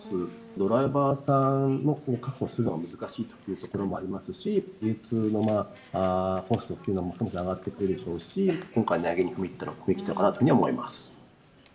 ドライバーさんを確保するのも難しいというところもありますし、流通のコストっていうのも今回、上がってくるでしょうし、今回、値上げに踏み切ったのかなというふうには思います。